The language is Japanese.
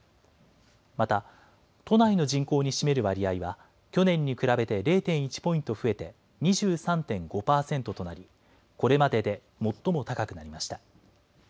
また、都内の人口に占める割合は、去年に比べて０．１ポイント増えて２３．５％となり、これまでで最も高くなりました。